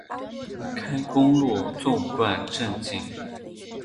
开公路纵贯镇境。